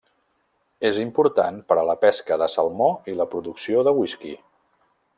És important per a la pesca de salmó i la producció de whisky.